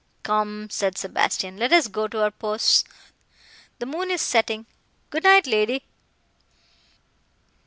"Come," said Sebastian, "let us go to our posts—the moon is setting. Good night, lady!"